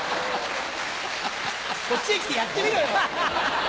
こっちへ来てやってみろよ！